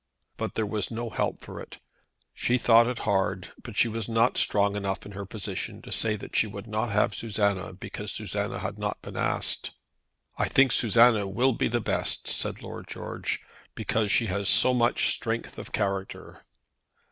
But there was no help for it. She thought it hard, but she was not strong enough in her own position to say that she would not have Susanna, because Susanna had not been asked. "I think Lady Susanna will be the best," said Lord George, "because she has so much strength of character."